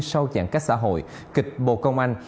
sau giãn cách xã hội kịch bồ công anh